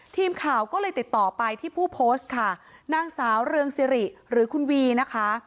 ทีมข่าวก็เลยติดต่อไปที่ผู้โพสต์ค่ะนางสาวเรืองสิริหรือคุณวีนะคะ